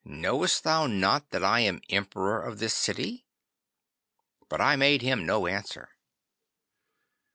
Knowest thou not that I am Emperor of this city?" But I made him no answer.